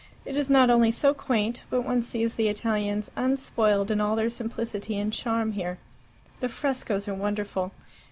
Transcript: It is not only so quaint, but one sees the Italians unspoiled in all their simplicity and charm here. The frescoes are wonderful.